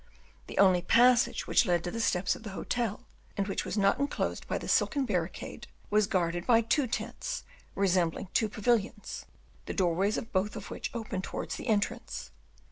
The only passage which led to the steps of the hotel, and which was not inclosed by the silken barricade, was guarded by two tents, resembling two pavilions, the doorways of both of which opened towards the entrance.